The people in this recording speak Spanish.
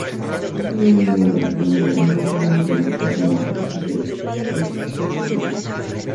Fue el primer avión embarcado de la Armada estadounidense con tren de aterrizaje triciclo.